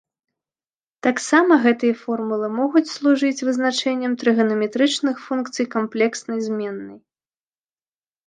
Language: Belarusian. Таксама гэтыя формулы могуць служыць вызначэннем трыганаметрычных функцый камплекснай зменнай.